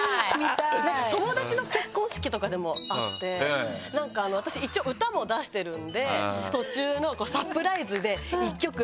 友達の結婚式とかでもあって私一応歌も出してるので「途中のサプライズで１曲歌ってくれない？」